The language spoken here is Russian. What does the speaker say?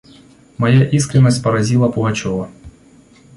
Моя искренность поразила Пугачева.